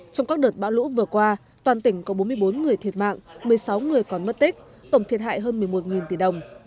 trong các đợt bão lũ vừa qua toàn tỉnh có bốn mươi bốn người thiệt mạng một mươi sáu người còn mất tích tổng thiệt hại hơn một mươi một tỷ đồng